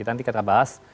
nanti kita bahas